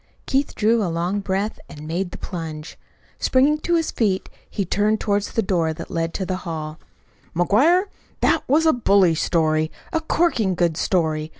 Keith drew a long breath and made the plunge. Springing to his feet he turned toward the door that led into the hall. "McGuire, that was a bully story a corking good story.